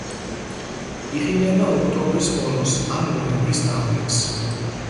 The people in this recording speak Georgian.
იყინება ოქტომბრის ბოლოს ან ნოემბრის დამდეგს.